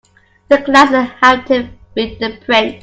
Thick glasses helped him read the print.